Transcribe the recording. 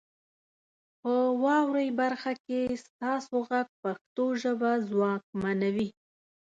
په واورئ برخه کې ستاسو غږ پښتو ژبه ځواکمنوي.